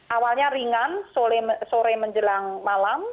awalnya ringan sore menjelang malam